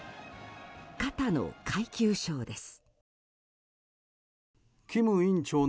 肩の階級章です。